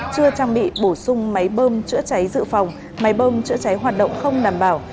chưa trang bị bổ sung máy bơm chữa cháy dự phòng máy bơm chữa cháy hoạt động không đảm bảo